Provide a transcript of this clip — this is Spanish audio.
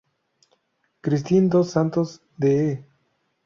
Kristin Dos Santos de E!